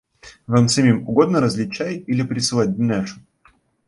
Вам самим угодно разлить чай или прислать Дуняшу?